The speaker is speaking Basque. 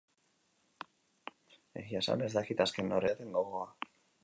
Egia esan, ez dakit azken oreneko lanbroek iluntzen didaten gogoa.